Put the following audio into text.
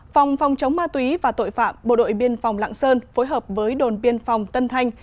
phòng phòng chống ma túy và tội phạm bộ đội biên phòng lạng sơn phối hợp với đồn biên phòng tân thanh